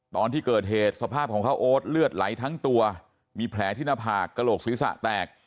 ตอนที่เกิดเหตุสภาพของเขาโอ๊ตเลือดไหลทั้งตัวมีแผลที่หน้าผากกระโหลกศีรษะแตก